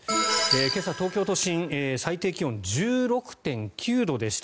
今朝、東京都心最低気温１６．９度でした。